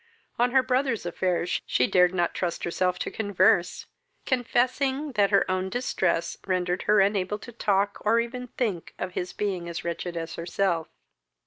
On her brother's affairs she dared not trust herself to converse, confessing that her own distresses rendered her unable to talk, or even think, of his being as wretched as herself.